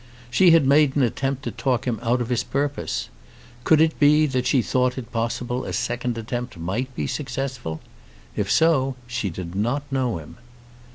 She had made an attempt to talk him out of his purpose. Could it be that she thought it possible a second attempt might be successful? If so, she did not know him.